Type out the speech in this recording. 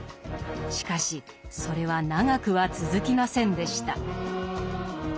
しかしそれは長くは続きませんでした。